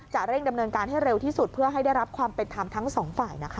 เร่งดำเนินการให้เร็วที่สุดเพื่อให้ได้รับความเป็นธรรมทั้งสองฝ่ายนะคะ